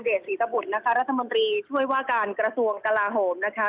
อุดมเจสสีทะบุญนะคะรัฐมนตรีช่วยว่าการกระทรวงกลาโหมนะคะ